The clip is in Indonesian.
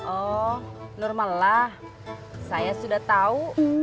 oh normal lah saya sudah tau